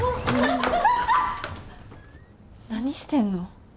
何してんの？